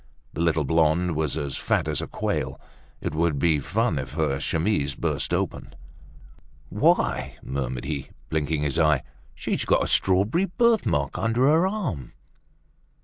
The little blonde was as fat as a quail. It would be fun if her chemise burst open. "Why," murmured he, blinking his eye, "she's got a strawberry birthmark under her arm."